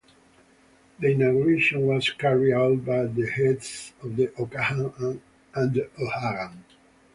The inauguration was carried out by the heads of the O'Cahan and O'Hagan.